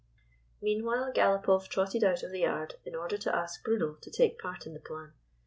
Meanwhile, Galopoff trotted out of the yard in order to ask Bruno to take part in the plan.